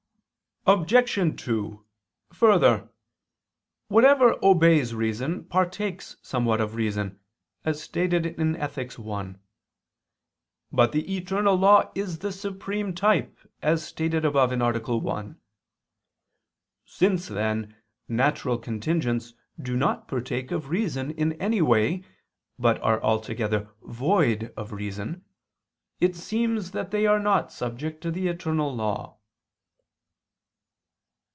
Obj. 2: Further, "Whatever obeys reason partakes somewhat of reason," as stated in Ethic. i. But the eternal law is the supreme type, as stated above (A. 1). Since then natural contingents do not partake of reason in any way, but are altogether void of reason, it seems that they are not subject to the eternal law.